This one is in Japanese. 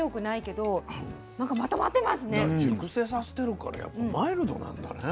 熟成させてるからやっぱマイルドなんだね。